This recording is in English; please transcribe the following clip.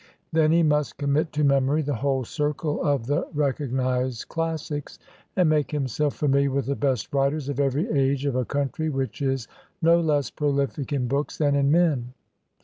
Then he must commit to memory the whole circle of the recognized classics, and make himself familiar with the best writers of every age of a country which is no less prolific in books than in men.